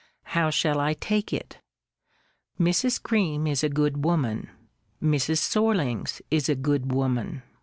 How shall I take it? Mrs. Greme is a good woman. Mrs. Sorlings is a good woman.